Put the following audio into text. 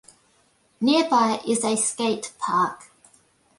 Nearby is a Skate park.